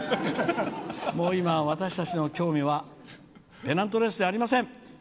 今、私たちの興味はペナントレースじゃありません。